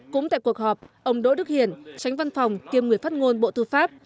cũng tại cuộc họp ông đỗ đức hiển tránh văn phòng kiêm người phát ngôn bộ tư pháp